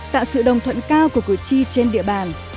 tạo sự đồng thuận cao của cử tri trên địa bàn